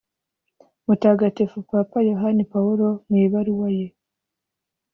mutagatifu papa yohani pawulo mu ibaruwa ye